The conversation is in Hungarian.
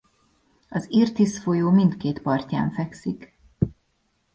Az Irtis folyó mindkét partján fekszik.